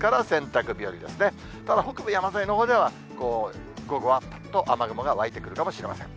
ただ、北部山沿いのほうでは、午後はくっと雨雲湧いてくるかもしれません。